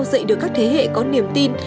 để giúp đỡ các thế hệ có niềm tin